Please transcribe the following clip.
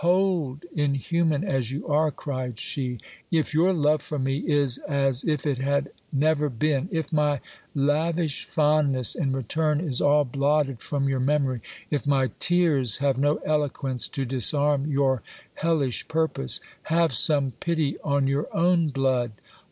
Hold, inhuman as you are ! cried she. If your love for me is as if it had never been, if my lavish fondness in return is all blotted from your memory, if my tears have no eloquence to disarm your hellish purpose, have some pity on your own blood.